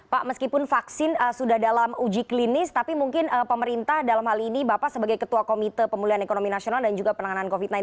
pak meskipun vaksin sudah dalam uji klinis tapi mungkin pemerintah dalam hal ini bapak sebagai ketua komite pemulihan ekonomi nasional dan juga penanganan covid sembilan belas